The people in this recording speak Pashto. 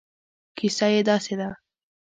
کیسه یې داسې ده.